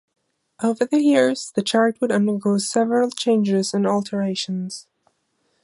Over the years, the chart would undergo several changes and alterations.